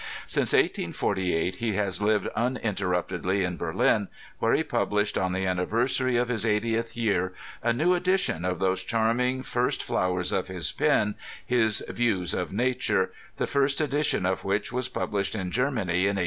Since 1848 he has lived uninterruptedly in Berlin, where he published on the anniversary of his 80th year a new edition of those charming first flowers of his pen, his Views of Nature, the first edition of which was published in Germany in 1808.